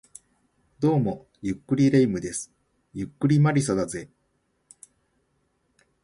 どうも、ゆっくり霊夢です。ゆっくり魔理沙だぜ